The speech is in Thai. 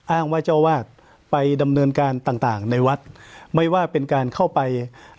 อ้างว่าเจ้าวาดไปดำเนินการต่างต่างในวัดไม่ว่าเป็นการเข้าไป